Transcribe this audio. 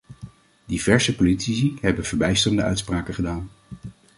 Diverse politici hebben verbijsterende uitspraken gedaan.